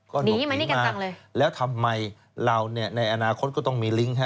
ก็หนีมานี่กันจังเลยแล้วทำไมเราเนี่ยในอนาคตก็ต้องมีลิงก์ฮ